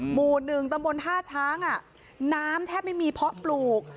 หมู่๑ตำบลท่าช้างน้ำแทบไม่มีเพาะปลูก